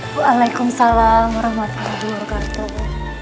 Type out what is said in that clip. waalaikumsalam warahmatullahi wabarakatuh